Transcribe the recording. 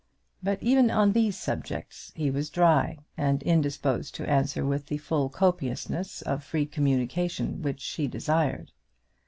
But even on these subjects he was dry, and indisposed to answer with the full copiousness of free communication which she desired.